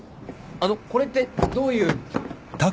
あのこれってどういう。